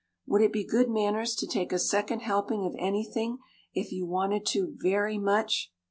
Would it be good manners to take a second helping of anything if you wanted to very much?"